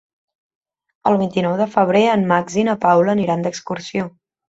El vint-i-nou de febrer en Max i na Paula aniran d'excursió.